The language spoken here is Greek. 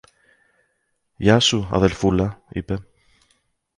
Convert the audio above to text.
Γεια σου, αδελφούλα, είπε.